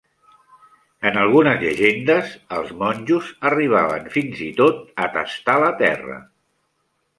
En algunes llegendes, els monjos arribaven fins i tot a "tastar" la terra.